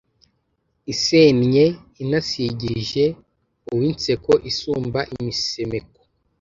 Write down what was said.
isennye inasigirije Uw’inseko isumba imisemeko